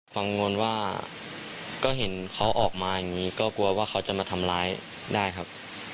กังวลว่าก็เห็นเขาออกมาอย่างนี้ก็กลัวว่าเขาจะมาทำร้ายได้ครับ